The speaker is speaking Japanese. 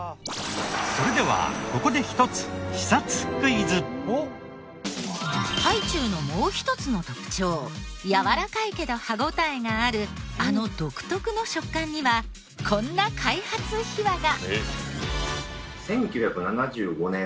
それではここで１つハイチュウのもう一つの特徴やわらかいけど歯応えがあるあの独特の食感にはこんな開発秘話が。